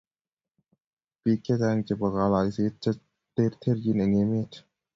Bik chechang chebo kalaisiek che terchin eng emet